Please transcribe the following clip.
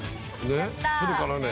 それからね